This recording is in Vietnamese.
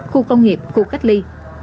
khu công nghiệp khu cách ly